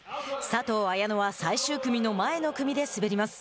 佐藤綾乃は最終組の前の組で滑ります。